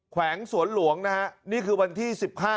แขวงสวนหลวงนะฮะนี่คือวันที่๑๕